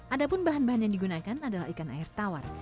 adapun bahan bahan yang digunakan adalah ikan air tawar